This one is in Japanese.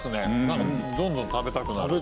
なんかどんどん食べたくなる。